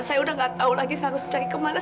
saya udah nggak tahu lagi saya harus cari ke mana